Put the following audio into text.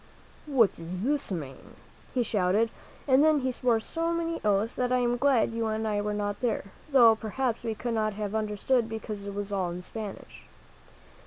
"What does this mean?" he shouted, and then he swore so many oaths that I am glad you and I were not there, though perhaps we could not have understood, because it was all in Spanish.